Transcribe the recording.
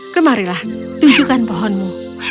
kemarilah tunjukkan pohonmu